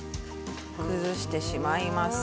崩してしまいます。